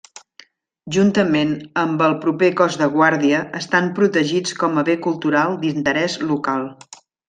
Juntament amb el proper cos de guàrdia estan protegits com a bé cultural d'interès local.